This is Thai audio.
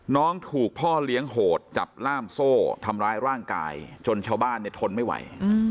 น้องถูกพ่อเลี้ยงโหดจับล่ามโซ่ทำร้ายร่างกายจนชาวบ้านเนี่ยทนไม่ไหว